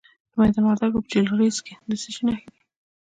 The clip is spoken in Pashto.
د میدان وردګو په جلریز کې د څه شي نښې دي؟